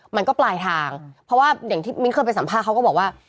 มันก็ปลายทางเพราะว่าอย่างที่มิ้นเคยไปสัมภาษณ์เขาก็บอกว่า